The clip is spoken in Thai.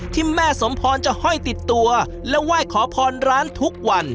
ที่แม่สมพรจะห้อยติดตัวและไหว้ขอพรร้านทุกวัน